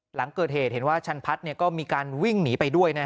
หลังเกิดเหตุเห็นว่าชันพัฒน์ก็มีการวิ่งหนีไปด้วย